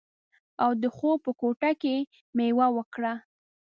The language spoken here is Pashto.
او د خوب په کوټه کې یې میوه وکړه